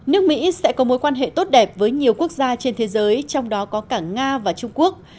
nước mỹ sẽ có mối quan hệ tốt đẹp với nhiều quốc gia trên thế giới trong đó có cả nga và trung quốc